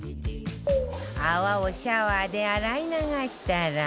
泡をシャワーで洗い流したら